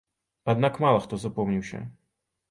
Аднак мала хто запомніўся.